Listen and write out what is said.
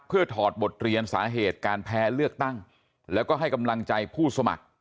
เพื่อถอดบทเรียนสาเหตุการแพ้เลือกตั้งแล้วก็ให้กำลังใจผู้สมัคร